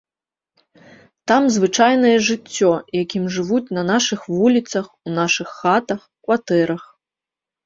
Там звычайнае жыццё, якім жывуць на нашых вуліцах, у нашых хатах, кватэрах.